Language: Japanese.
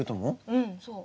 うんそう。